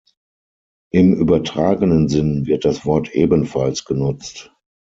Im übertragenen Sinn wird das Wort ebenfalls genutzt.